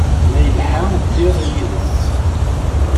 Ma yelḥa, ddiɣ yid-s.